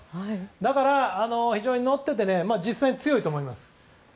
だから非常に乗っていて実際に強いと思います。